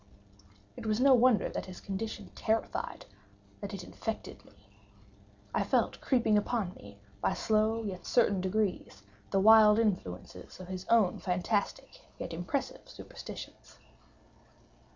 It was no wonder that his condition terrified—that it infected me. I felt creeping upon me, by slow yet certain degrees, the wild influences of his own fantastic yet impressive superstitions.